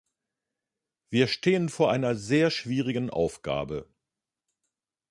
Wir stehen vor einer sehr schwierigen Aufgabe.